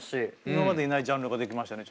今までにないジャンルが出来ましたね。